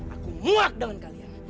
aku muak dengan kalian